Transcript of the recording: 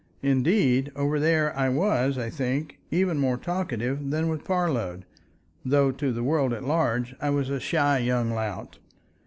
Indeed, over there I was, I think, even more talkative than with Parload, though to the world at large I was a shy young lout.